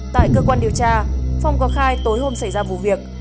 tại cơ quan điều tra phong có khai tối hôm xảy ra vụ việc